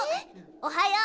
おはよう。